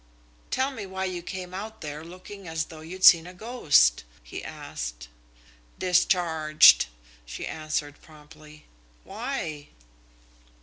"Tell me why you came out there looking as though you'd seen a ghost?" he asked. "Discharged," she answered promptly. "Why?"